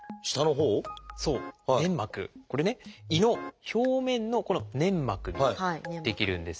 これね胃の表面のこの粘膜に出来るんですね。